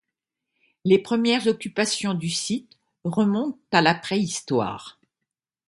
Les premières occupations du site remontent à la préhistoire.